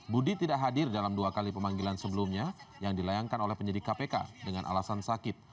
budi tidak hadir dalam dua kali pemanggilan sebelumnya yang dilayangkan oleh penyidik kpk dengan alasan sakit